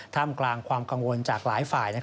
ท่ามกลางความกังวลจากหลายฝ่าย